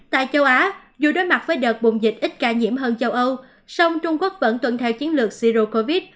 tại châu á dù đối mặt với đợt bùng dịch ít ca nhiễm hơn châu âu sông trung quốc vẫn tuận theo chiến lược zero covid